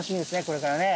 これからね。